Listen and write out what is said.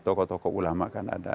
tokoh tokoh ulama kan ada